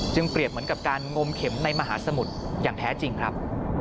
เปรียบเหมือนกับการงมเข็มในมหาสมุทรอย่างแท้จริงครับ